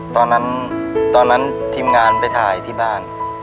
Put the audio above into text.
ตอนนั้นทีมงานไปถ่ายที่บ้าน